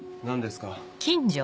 何ですか？